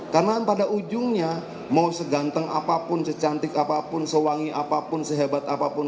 karena pada ujungnya mau seganteng apapun secantik apapun sewangi apapun sehebat apapun